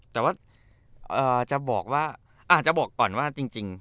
แต่ว่าจะบอกก่อนว่าจริง